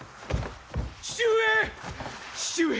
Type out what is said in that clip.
父上！